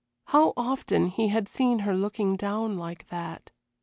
How often had he seen her looking down like that.